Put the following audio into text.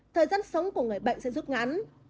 thời gian sống của người bệnh sẽ rút ngắn